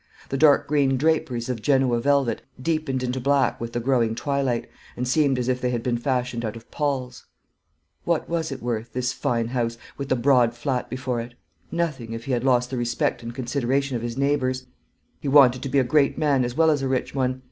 The dark green draperies of Genoa velvet deepened into black with the growing twilight, and seemed as if they had been fashioned out of palls. What was it worth, this fine house, with the broad flat before it? Nothing, if he had lost the respect and consideration of his neighbours. He wanted to be a great man as well as a rich one.